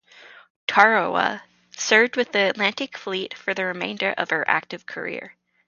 "Tarawa" served with the Atlantic Fleet for the remainder of her active career.